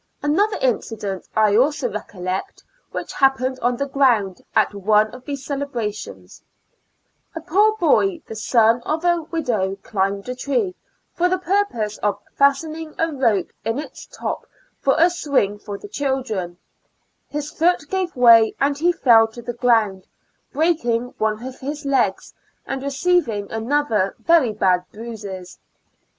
Another incident I also recollect which happened on the ground at one of these celebrations — a poor boy the son of a widow climbed a tree, for the purpose of fastening a rope in its top for a swing for the children, his foot gave way and he fell to the ground, breaking one of his legs and receiving other very bad bruises.